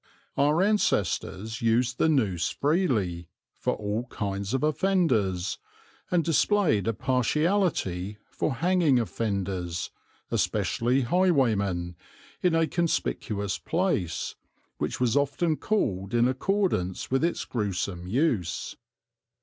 Our ancestors used the noose freely, for all kinds of offenders, and displayed a partiality for hanging offenders, especially highwaymen, in a conspicuous place, which was often called in accordance with its gruesome use.